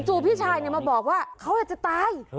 พี่ชายมาบอกว่าเขาอาจจะตาย